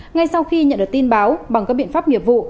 ngay sau khi nhận được tin báo bằng các biện pháp nghiệp vụ